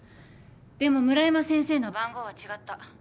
でも村山先生の番号は違った。